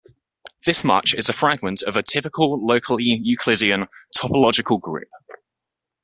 This much is a fragment of a typical locally Euclidean topological group.